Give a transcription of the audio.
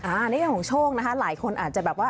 อ่าในการของโชคนะฮะหลายคนอาจจะแบบว่า